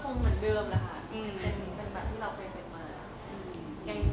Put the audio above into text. จะยังไงไปใช้เดิมเหมือนเดิมละค่ะเป็นแบบที่เราเคยเป็นเป็นแบบคนเคยเป็นมา